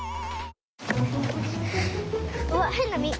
わっへんなみ。